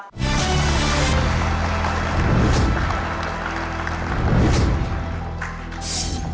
ขอบคุณครับ